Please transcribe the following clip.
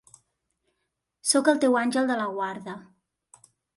Sóc el teu àngel de la guarda.